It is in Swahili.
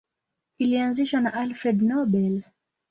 Ilianzishwa na Alfred Nobel.